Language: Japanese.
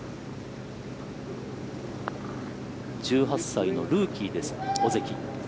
１８歳のルーキーです、尾関。